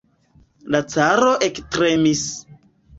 La caro ektremis.